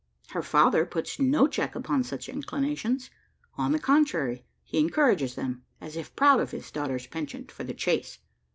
Her father puts no check upon such inclinations: on the contrary, he encourages them, as if proud of his daughter's penchant for the chase.